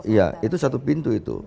iya itu satu pintu itu